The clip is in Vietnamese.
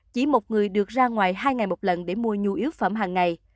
chỉ một người được ra ngoài hai ngày một lần để mua nhu yếu phẩm hàng ngày